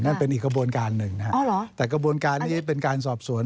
นั่นเป็นอีกกระบวนการหนึ่งนะครับแต่กระบวนการนี้เป็นการสอบสวน